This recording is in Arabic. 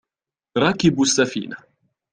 ركبوا السفينة.